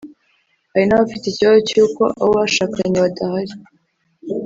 hari n’abafite ikibazo cy’uko abo bashakanye badahari